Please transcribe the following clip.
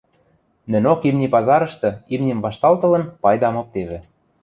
Нӹнок имни пазарышты, имним вашталтылын, пайдам оптевӹ.